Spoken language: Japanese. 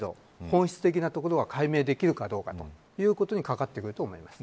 本質的なところが解明できるかというところにかかってくると思います。